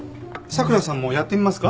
佐倉さんもやってみますか？